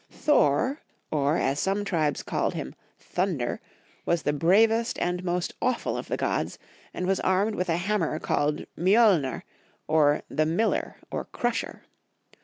Thor, or, as some tribes called him, Thunder, was the bravest and most awful of the gods, and was armed with a hammer called Miolner, or the Miller or Crusher.